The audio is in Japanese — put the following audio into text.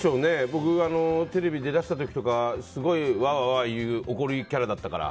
僕、テレビ出だした時とかすごくワーワー怒るキャラだったから。